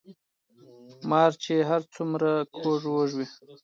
ـ مار چې هر څومره کوږ وږ وي